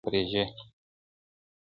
د کلتور د معیارونو د ساتنې پروژې.